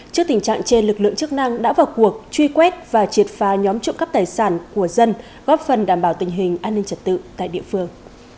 trước tình trạng trên lực lượng chức năng đã vào cuộc truy quét và triệt phá nhóm trộm cắp tài sản của dân góp phần đảm bảo tình hình an ninh trật tự tại địa phương